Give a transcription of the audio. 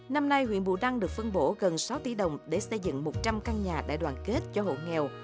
năm nay huyện bù đăng được phân bổ gần sáu tỷ đồng để xây dựng một trăm linh căn nhà đại đoàn kết cho hộ nghèo